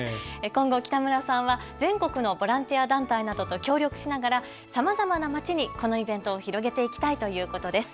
今後、北村さんは全国のボランティア団体などと協力しながらさまざまな街にこのイベントを広げていきたいということです。